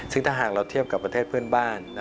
ซึ่งถ้าหากเราเทียบกับประเทศเพื่อนบ้าน